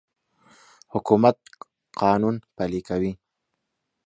حکومت قانون پلی کوي.